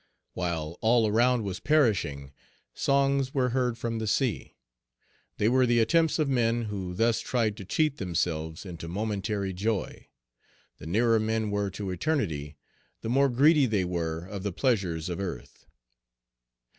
While all around was perishing, songs were heard from the sea. They were the attempts of men who thus tried to cheat themselves into momentary joy. The nearer men were to eternity, the more greedy they were of the pleasures of earth.